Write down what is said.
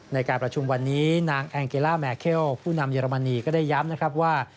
ในการประชุมวันนี้นางแองเกล่าแมเคลผู้นำเยอรมนีก็ได้ย้ำนะครับว่า